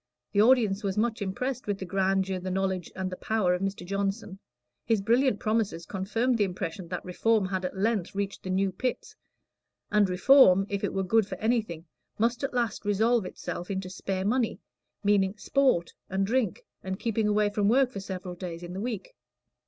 The audience was much impressed with the grandeur, the knowledge, and the power of Mr. Johnson. His brilliant promises confirmed the impression that Reform had at length reached the New Pits; and Reform, if it were good for anything, must at last resolve itself into spare money meaning "sport" and drink, and keeping away from work for several days in the week.